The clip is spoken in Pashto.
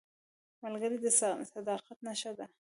ملګری د صداقت نښه ده